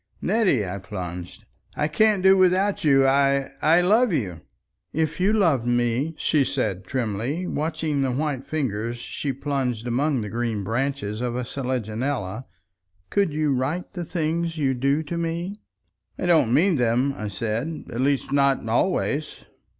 "Nettie," I plunged, "I can't do without you. I—I love you." "If you loved me," she said trimly, watching the white fingers she plunged among the green branches of a selaginella, "could you write the things you do to me?" "I don't mean them," I said. "At least not always."